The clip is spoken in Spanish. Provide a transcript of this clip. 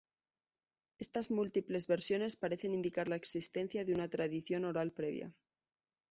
Estas múltiples versiones parecen indicar la existencia de una tradición oral previa.